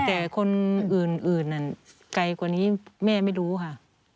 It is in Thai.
แต่คนอื่นไกลกว่านี้แม่ไม่รู้ค่ะ